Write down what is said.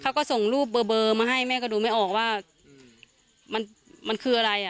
เขาก็ส่งรูปเบอร์เบอร์มาให้แม่ก็ดูไม่ออกว่ามันมันคืออะไรอ่ะ